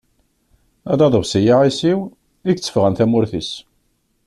Ala aḍebsi aɛisiw, i yetteffɣen tamurt-is.